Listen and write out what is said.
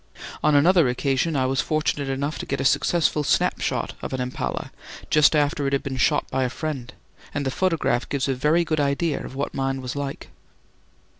On another occasion I was fortunate enough to get a successful snapshot of an impala just after it had been shot by a friend, and the photograph gives a very good idea of what mine was like.